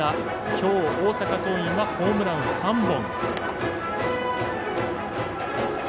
きょう大阪桐蔭はホームラン３本。